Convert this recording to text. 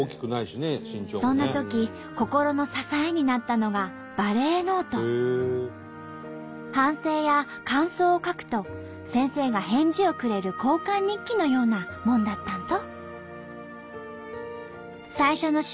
そんなとき心の支えになったのが反省や感想を書くと先生が返事をくれる交換日記のようなもんだったんと！